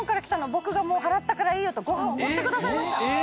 僕が払ったからいいよ」とご飯をおごってくださいました。